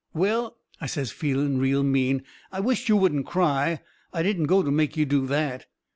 "Well," I says, feeling real mean, "I wisht you wouldn't cry. I didn't go to make you do that."